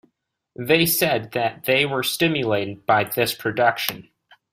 They said that they were stimulated by this production.